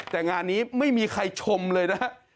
แต่งานนี้ไม่มีใครชมเลยนะฮะ